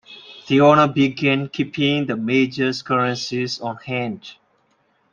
The owner began keeping the major currencies on hand.